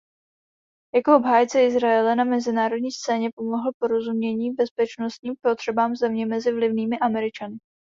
Jako obhájce Izraele na mezinárodní scéně pomohl porozumění bezpečnostním potřebám země mezi vlivnými Američany.